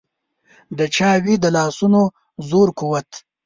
د چا وي د لاسونو زور قوت.